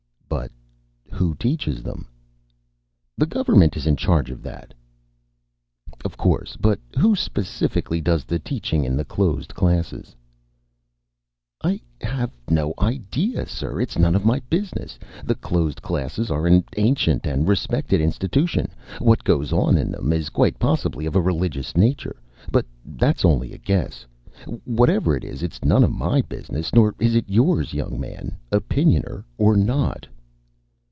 "But who teaches them?" "The government is in charge of that." "Of course. But who, specifically, does the teaching in the closed classes?" "I have no idea, sir. It's none of my business. The closed classes are an ancient and respected institution. What goes on in them is quite possibly of a religious nature. But that's only a guess. Whatever it is, it's none of my business. Nor is it yours, young man, Opinioner or not."